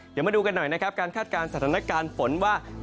เดี๋ยวมาดูกันหน่อยนะครับการคาดการณ์สถานการณ์ฝนว่า